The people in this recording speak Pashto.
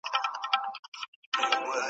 تاسي په خپلو کارونو کي تجربه لرئ.